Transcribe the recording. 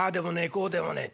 こうでもねえ。